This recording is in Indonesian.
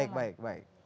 baik baik baik